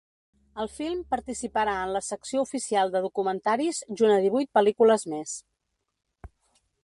El film participarà en la secció oficial de documentaris junt a divuit pel·lícules més.